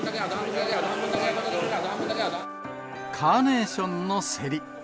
カーネーションの競り。